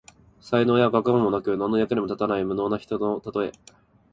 才能や学問もなく、何の役にも立たない無能な人のたとえ。